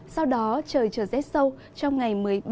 sau đó trời trở rét sâu trong ngày một mươi ba